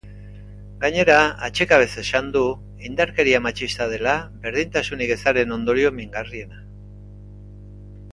Gainera, atsekabez esan du indarkeria matxista dela berdintasunik ezaren ondorio mingarriena.